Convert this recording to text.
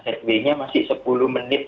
jadi ini masih sepuluh menit